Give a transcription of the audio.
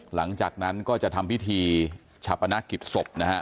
หลังจากนั้นก็จะทำพิธีชาปนกิจศพนะฮะ